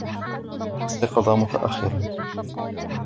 أستيقظ متأخّراً.